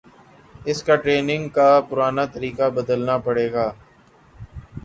اس کا ٹریننگ کا پرانا طریقہ بدلنا پڑے گا